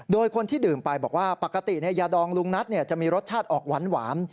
โดยคนที่ดื่มไปบอกว่าปกติยาดองลุงนัทจะมีรสชาติออกหวาน